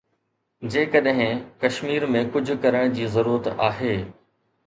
جيڪڏهن ڪشمير ۾ ڪجهه ڪرڻ جي ضرورت آهي.